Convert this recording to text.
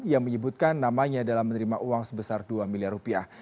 yang menyebutkan namanya dalam menerima uang sebesar dua miliar rupiah